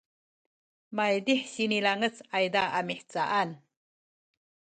maydih sinilangec ayza a mihcaan